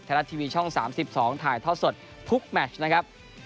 รัฐทีวีช่อง๓๒ถ่ายทอดสดทุกแมชนะครับ